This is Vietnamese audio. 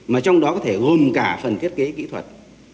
mà trong đó có thể gồm cả phần thiết kế kỹ thuật